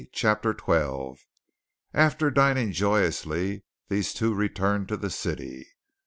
CHAPTER XII After dining joyously, these two returned to the city.